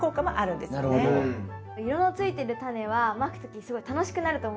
色のついてるタネはまく時すごい楽しくなると思うんですよね。